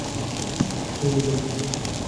পুন্ডি মাতা মেরি।